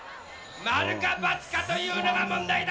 〇か×かというのが問題だ。